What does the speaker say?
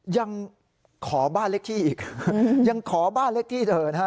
ยังขอบ้านเลขที่อีกยังขอบ้านเลขที่เธอนะฮะ